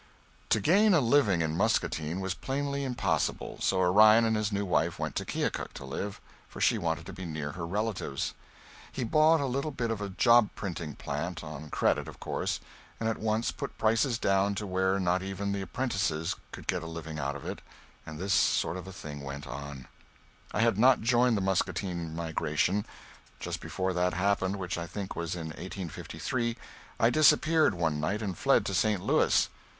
To gain a living in Muscatine was plainly impossible, so Orion and his new wife went to Keokuk to live, for she wanted to be near her relatives. He bought a little bit of a job printing plant on credit, of course and at once put prices down to where not even the apprentices could get a living out of it, and this sort of thing went on. [Sidenote: (1853.)] I had not joined the Muscatine migration. Just before that happened (which I think was in 1853) I disappeared one night and fled to St. Louis.